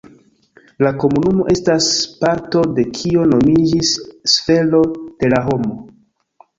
La komunumo estas parto de kio nomiĝis sfero de la homo.